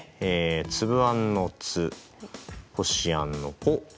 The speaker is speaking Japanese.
つぶあんの「つ」こしあんの「こ」